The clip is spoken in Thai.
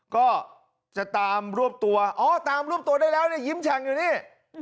ก็จะตามรวบตัวอ๋อตามรวบตัวได้แล้วเนี่ยยิ้มแฉ่งอยู่นี่